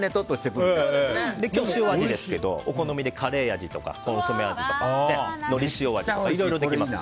今日は塩味ですけどお好みでカレー味とかコンソメ味とかのり塩味とかいろいろできます。